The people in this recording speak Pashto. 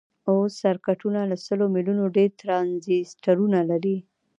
اوس سرکټونه له سلو میلیونو ډیر ټرانزیسټرونه لري.